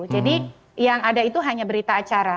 jadi yang ada itu hanya berita acara